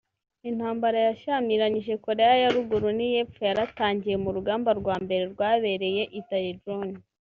Intambara yashyamiranyije Koreya ya ruguru n’iy’epfo yaratangiye mu rugamba rwa mbere rwabereye I Taejon